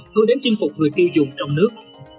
thôi đến chinh phục người tiêu dùng trong nước